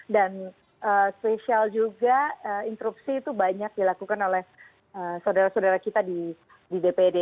dan spesial juga interupsi itu banyak dilakukan oleh saudara saudara kita di dpd